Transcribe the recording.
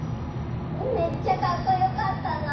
めっちゃかっこよかったな。